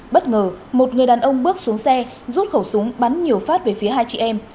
bất ngờ một người đàn ông bước xuống xe rút khẩu súng bắn nhiều phát về phía hai chị em